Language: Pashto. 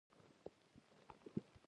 د جنګ د ختمېدلو مشکل په افغانستان کې دی.